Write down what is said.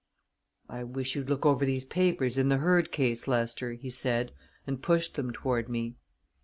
"I wish you'd look over these papers in the Hurd case, Lester," he said, and pushed them toward me.